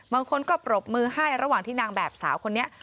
บางคนก็ปรบมือให้ระหว่างที่นางแบบสาวคนนี้